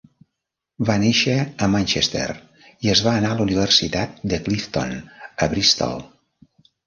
Va néixer a Manchester i es va anar a la universitat de Clifton, a Bristol.